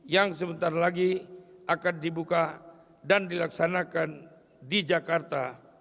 yang sebentar lagi akan dibuka dan dilaksanakan di jakarta